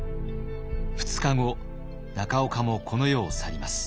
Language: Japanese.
２日後中岡もこの世を去ります。